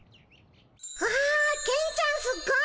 わあケンちゃんすごい。